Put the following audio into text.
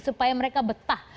supaya mereka betah